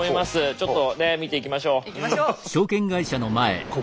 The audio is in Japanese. ちょっとねっ見ていきましょう。